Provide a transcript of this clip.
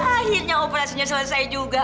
akhirnya operasinya selesai juga